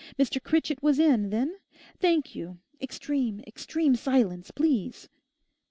Mr Critchett was in, then? Thank you. Extreme, extreme silence, please.